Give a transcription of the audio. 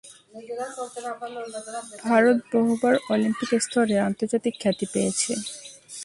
ভারত বহুবার অলিম্পিক স্তরে আন্তর্জাতিক খ্যাতি পেয়েছে।